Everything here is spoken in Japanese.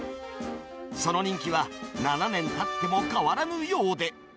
その人気は、７年たっても変わらぬようで。